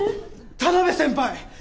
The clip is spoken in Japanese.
田辺先輩！